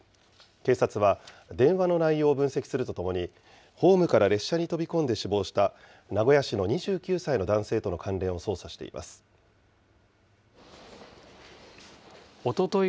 警察は、電話の内容を分析するとともに、ホームから列車に飛び込んで死亡した名古屋市の２９歳の男性とのおととい